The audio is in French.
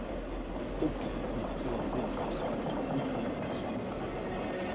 Aucun ne présentait de trace d'incinération.